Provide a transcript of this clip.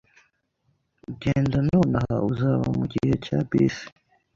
Genda nonaha uzaba mugihe cya bisi.